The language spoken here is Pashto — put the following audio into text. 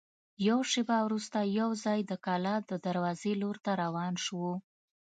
یوه شېبه وروسته یوځای د کلا د دروازې لور ته روان شوو.